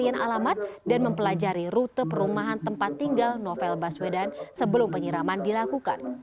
jaksa menilai penyelamatan dan mempelajari rute perumahan tempat tinggal novel baswedan sebelum penyiraman dilakukan